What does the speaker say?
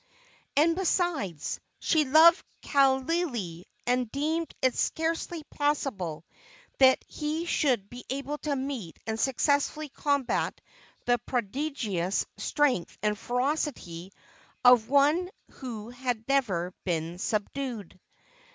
And, besides, she loved Kaaialii, and deemed it scarcely possible that he should be able to meet and successfully combat the prodigious strength and ferocity of one who had never been subdued.